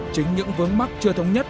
chính những vớn mắc chưa thống nhất